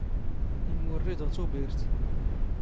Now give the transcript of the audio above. ⵉⵎⵎⵓⵔⵔⵉ ⴷ ⵖ ⵜⵓⴱⵉⵔⵜ.